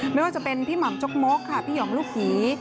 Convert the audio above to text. ไม่ว่าจะเป็นพี่หม่ำจกมกค่ะพี่หองลูกหี